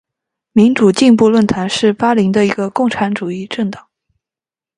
民主进步论坛是巴林的一个共产主义政党。